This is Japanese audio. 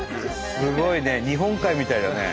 すごいね日本海みたいだね。